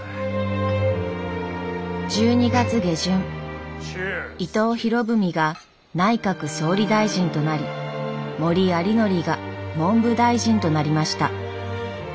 １２月下旬伊藤博文が内閣総理大臣となり森有礼が文部大臣となりました。